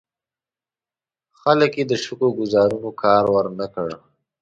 ځکه یې د شګو ګوزارونو کار ور نه کړ.